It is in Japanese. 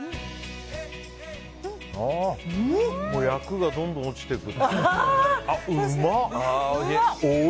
厄がどんどん落ちていく。